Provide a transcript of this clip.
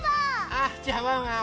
あっじゃあワンワン